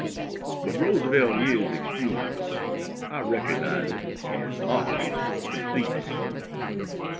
But Roosevelt is excusable I recognize it and (ought to) concede it.